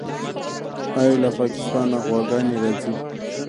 آیا له پاکستانه غواګانې راځي؟